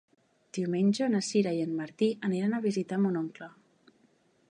Diumenge na Sira i en Martí aniran a visitar mon oncle.